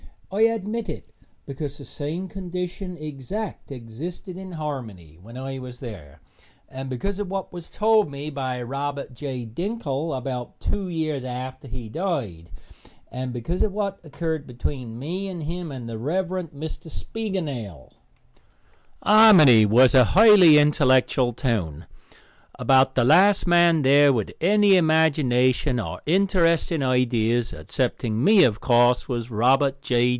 I admit it because the same condition exact existed in Harmony when I was there, and because of what was told me by Robert J. Dinkle about two years after he died, and because of what occurred between me and him and the Rev. Mr. Spiegelnail. Harmony was a highly intellectual town. About the last man there with any imagination or interesting ideas, excepting me, of course, was Robert J.